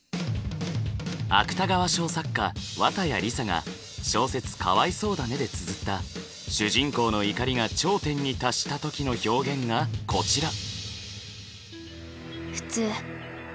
芥川賞作家綿矢りさが小説「かわいそうだね？」でつづった主人公の怒りが頂点に達した時の表現がこちら。